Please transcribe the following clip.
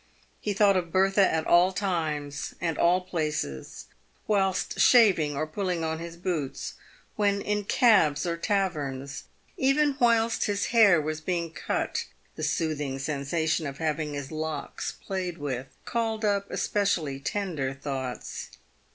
He thought of Bertha at all times and all places ; whilst shaving or pulling on his boots ; when in cabs or taverns. Even whilst his hair was being cut, the soothing sensation of having his locks played with, called up especially tender thoughts.